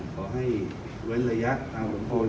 ขอให้เว้นระยะทางประโยชน์